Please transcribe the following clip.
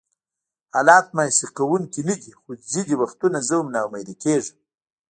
حالات مایوسونکي نه دي، خو ځینې وختونه زه هم ناامیده کېږم.